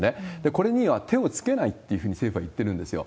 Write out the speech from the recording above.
これには手をつけないっていうふうに政府は言ってるんですよ。